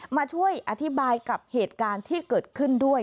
มาช่วยอธิบายกับเหตุการณ์ที่เกิดขึ้นด้วย